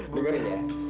dengar ini ya